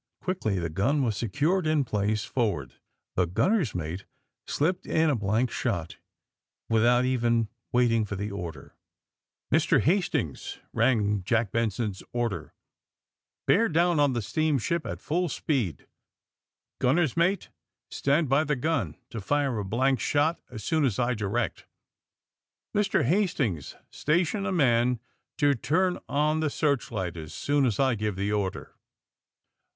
Quickly the gun was secured in place for ward. The gunner's mate slipped in a blank shot without even waiting for the order. "Mr. Hastings," rang Jack Benson's order, AND THE SMUGGLEES 207 bear down on the steamship at full speed. Gunner's mate, stand by the gun to fire a blank shot as soon as I direct. Mr. Hastings, station a mar to turn on the searchlight as soon as I give the order."